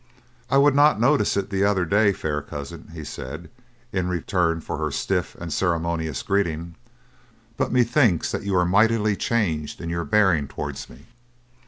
"I would not notice it the other day, fair cousin," he said, in return for her stiff and ceremonious greeting; "but methinks that you are mightily changed in your bearing towards me.